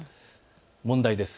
問題です。